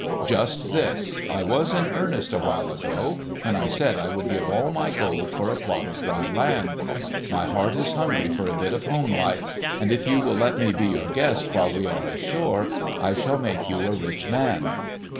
"Just this. I was in earnest, awhile ago, when I said I would give all my gold for a plot of dry land. My heart is hungry for a bit of home life; and if you will let me be your guest while we are ashore, I shall make you a rich man."